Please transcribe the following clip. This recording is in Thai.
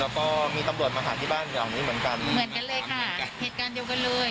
เหมือนกันเลยค่ะเหตุการณ์เดียวกันเลย